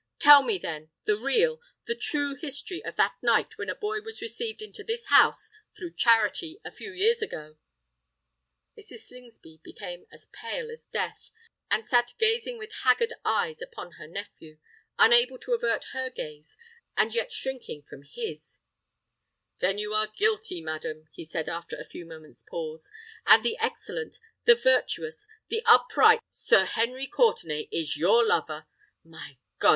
Tell me, then, the real—the true history of that night when a boy was received into this house through charity—a few years ago——" Mrs. Slingsby became as pale as death, and sate gazing with haggard eyes upon her nephew—unable to avert her glance, and yet shrinking from his. "Then you are guilty, madam," he said, after a few moments' pause; "and the excellent—the virtuous—the upright Sir Henry Courtenay is your lover! My God!